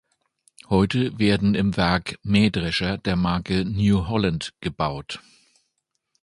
Heute werden im Werk Mähdrescher der Marke New Holland gebaut.